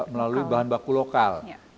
melalui bahan baku lokal